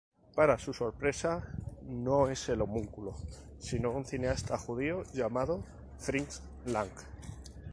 Para su sorpresa, no es el homúnculo, sino un cineasta judío llamado "Fritz Lang".